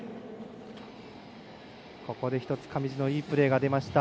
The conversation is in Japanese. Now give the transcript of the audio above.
ここで１つ上地のいいプレーが出ました。